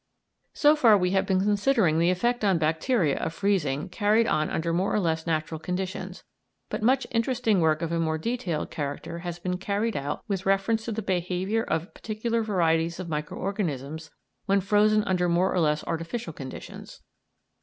So far we have been considering the effect on bacteria of freezing carried on under more or less natural conditions; but much interesting work of a more detailed character has been carried out with reference to the behaviour of particular varieties of micro organisms when frozen under more or less artificial conditions.